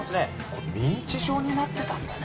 コレミンチ状になってたんだね。